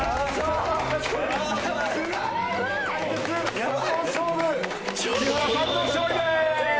この対決３本勝負木村さんの勝利です！